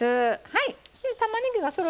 はい。